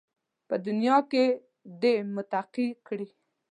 په دنیا کې دې متقي کړي